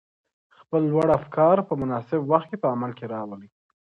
خپل لوړ افکار په مناسب وخت کي په عمل کي راولئ.